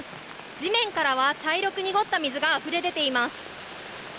地面からは茶色く濁った水があふれ出ています。